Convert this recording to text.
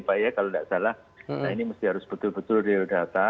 pak ya kalau tidak salah nah ini mesti harus betul betul real data